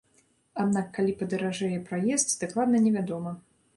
Аднак калі падаражэе праезд, дакладна невядома.